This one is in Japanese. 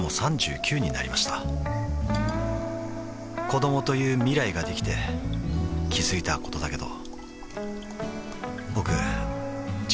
子どもという未来ができて気づいたことだけど